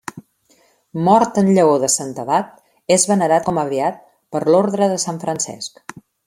Mort en llaor de santedat, és venerat com a beat per l'Orde de Sant Francesc.